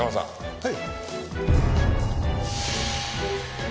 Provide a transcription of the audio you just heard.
はい。